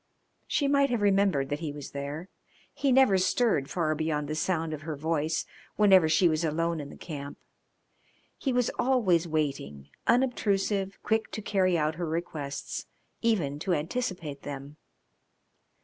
She might have remembered that he was there. He never stirred far beyond the sound of her voice whenever she was alone in the camp. He was always waiting, unobtrusive, quick to carry out her requests, even to anticipate them.